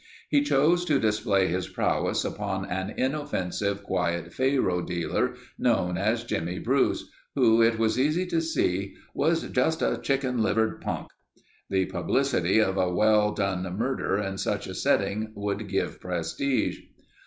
He chose to display his prowess upon an inoffensive, quiet faro dealer known as Jimmy Bruce, who, it was easy to see, "was just a chicken livered punk." The publicity of a well done murder in such a setting would give prestige.